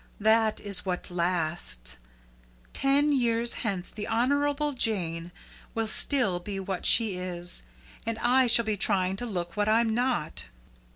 That is what lasts. Ten years hence the Honourable Jane will still be what she is, and I shall be trying to look what I'm not.